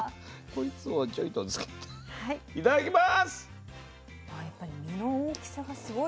いただきます。